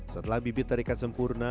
setelah bibit tarikan sempurna